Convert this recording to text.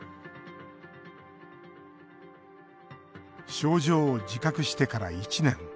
症状を自覚してから１年。